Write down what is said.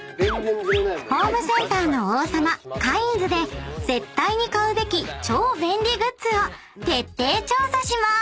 ［ホームセンターの王様カインズで絶対に買うべき超便利グッズを徹底調査しまーす！］